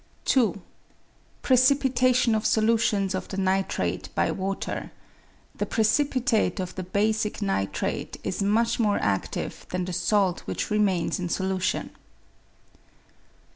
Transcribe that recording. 2. Precipitation of solutions of the nitrates by water ; the precipitate of the basic nitrate is much more adive than the salt which remains in solution.